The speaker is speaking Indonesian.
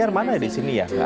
dan ini ada mana di sini ya